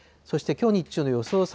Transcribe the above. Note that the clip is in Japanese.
そしてきょう日中の予想